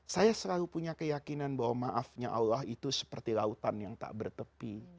saya selalu punya keyakinan bahwa maafnya allah itu seperti lautan yang tak bertepi